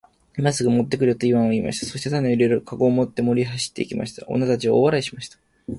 「今すぐ持って来るよ。」とイワンは言いました。そして種を入れる籠を持って森へ走って行きました。女たちは大笑いしました。